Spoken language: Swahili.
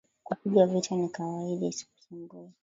Kupigwa vita ni kawaida isikusumbue